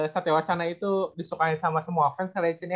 satiwacana itu disukain sama semua fans ya cun ya